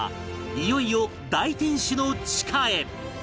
いよいよ大天守の地下へ